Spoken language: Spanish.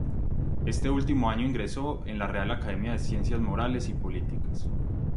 Este último año ingresó en la Real Academia de Ciencias Morales y Políticas.